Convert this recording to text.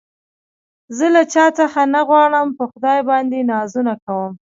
زه له چا څه نه غواړم په خدای باندې نازونه کوم